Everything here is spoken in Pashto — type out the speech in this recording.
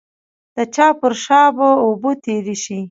د چا پر شا به اوبه تېرې شي.